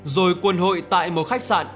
rồi quân hội tại một khách sạn